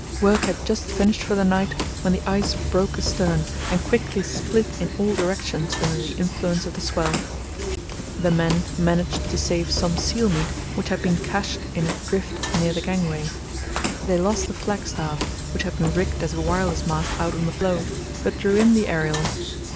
Work had just finished for the night when the ice broke astern and quickly split in all directions under the influence of the swell. The men managed to save some seal meat which had been cached in a drift near the gangway. They lost the flagstaff, which had been rigged as a wireless mast out on the floe, but drew in the aerial.